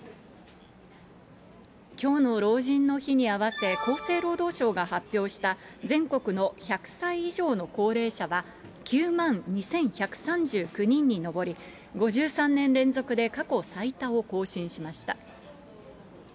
きょうの老人の日に合わせ、厚生労働省が発表した全国の１００歳以上の高齢者は、９万２１３９人に上り、５３年連続で過去最多を更新しました。